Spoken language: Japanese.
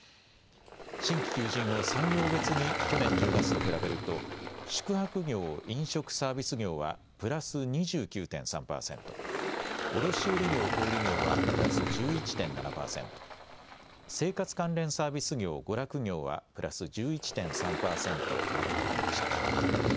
新規求人を産業別に去年１０月と比べると、宿泊業・飲食サービス業はプラス２９．３％、卸売業・小売業はプラス１１．７％、生活関連サービス業・娯楽業はプラス１１．３％などとなりました。